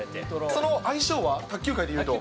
その相性は卓球界で言うと？